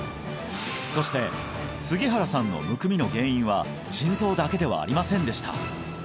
そして杉原さんのむくみの原因は腎臓だけではありませんでした